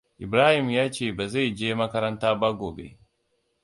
Ibrahima ya ce ba zai je makaranta ba gobe.